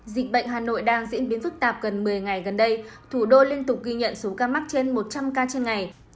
dịch bệnh hà nội đang diễn biến phức tạp gần một mươi ngày gần đây thủ đô liên tục ghi nhận số ca mắc trên một trăm linh ca trên ngày